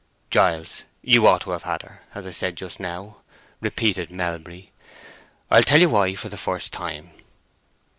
"Giles, you ought to have had her, as I said just now," repeated Melbury. "I'll tell you why for the first time."